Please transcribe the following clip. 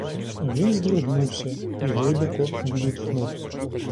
Він здригнувся і глибоко відітхнув.